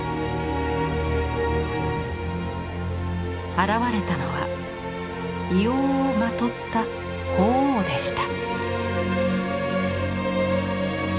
現れたのは硫黄をまとった鳳凰でした。